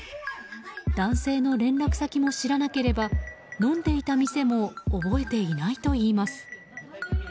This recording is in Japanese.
男性の連絡先も知らなければ飲んでいた店も覚えていないといいます。